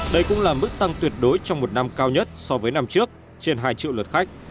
đây cũng là mức tăng tuyệt đối trong một năm cao nhất so với năm trước trên hai triệu lượt khách